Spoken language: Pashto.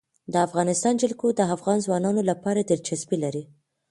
د افغانستان جلکو د افغان ځوانانو لپاره دلچسپي لري.